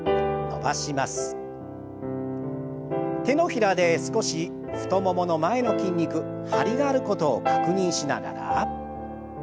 手のひらで少し太ももの前の筋肉張りがあることを確認しながら。